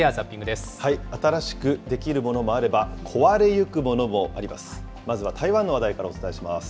新しくできるものもあれば、壊れゆくものもあります。